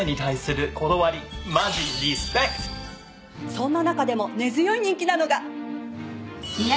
そんな中でも根強い人気なのが。